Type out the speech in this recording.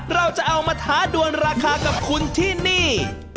เราจะเอามาท้าดวนราคากับคุณที่นี่